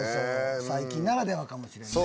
最近ならではかもしれんね。